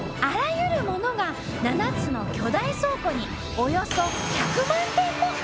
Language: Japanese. あらゆるものが７つの巨大倉庫におよそ１００万点も！